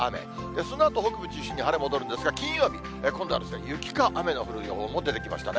そのあと北部中心に晴れ戻るんですが、金曜日、今度は雪か雨の降る予報も出てきましたね。